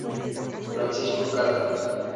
Francisco Cárdenas.